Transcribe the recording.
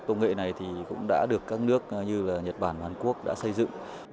công nghệ này cũng đã được các nước như nhật bản và hàn quốc đã xây dựng